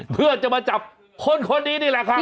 เพื่อจะมาจับคนคนนี้นี่แหละครับ